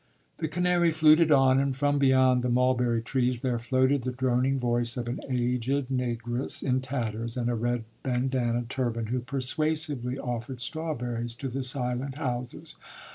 The canary fluted on, and from beyond the mulberry trees there floated the droning voice of an aged negress, in tatters and a red bandanna turban, who persuasively offered strawberries to the silent houses.